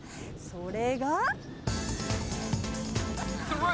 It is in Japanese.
それが。